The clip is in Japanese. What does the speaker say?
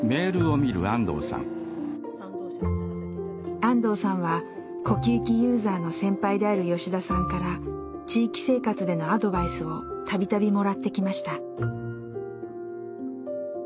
安藤さんは呼吸器ユーザーの先輩である吉田さんから地域生活でのアドバイスを度々もらってきました。